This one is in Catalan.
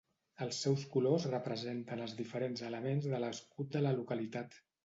Els seus colors representen els diferents elements de l'escut de la localitat.